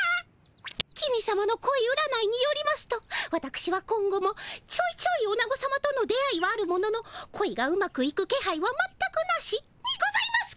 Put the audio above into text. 公さまの恋占いによりますとわたくしは「今後もちょいちょいオナゴさまとの出会いはあるものの恋がうまくいくけはいはまったくなし」にございますか？